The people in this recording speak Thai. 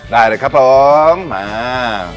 ได้เลยครับพร้อมมา